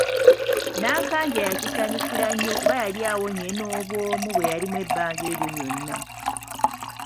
Nnankanja yakisanyukira nnyo kuba yali awonye n’obwomu bwe yalimu ebbanga eryo lyonna.